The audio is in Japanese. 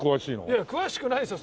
いや詳しくないですよ。